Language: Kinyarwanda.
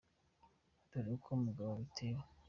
Dore uko mu bagore biteye :